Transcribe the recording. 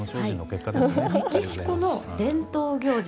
メキシコの伝統行事